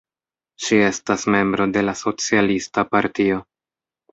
Ŝi estas membro de la Socialista Partio.